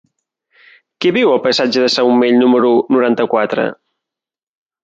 Qui viu al passatge de Saumell número noranta-quatre?